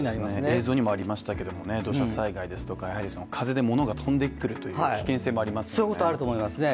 映像にもありましたけれども土砂災害ですとか、風でものが飛んでくるという危険性もありますのでね。